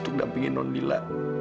untuk dampingi non lila